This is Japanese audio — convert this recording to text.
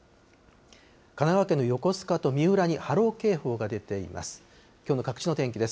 神奈川県の横須賀と三浦に波浪警報が出ています。